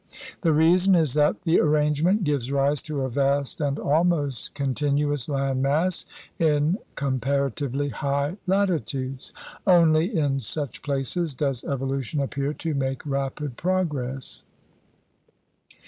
The 38 THE RED MAN'S CONTINENT reason is that this arrangement gives rise to a vast and almost continuous land mass in comparatively high latitudes. Only in such places does evolution appear to make rapid progress.'